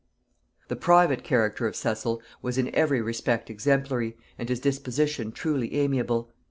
The private character of Cecil was in every respect exemplary, and his disposition truly amiable.